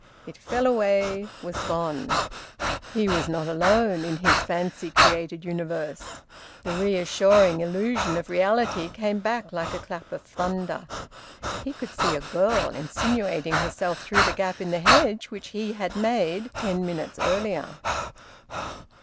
It fell away, was gone. He was not alone in his fancy created universe. The reassuring illusion of reality came back like a clap of thunder. He could see a girl insinuating herself through the gap in the hedge which he had made ten minutes earlier.